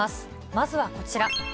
まずはこちら。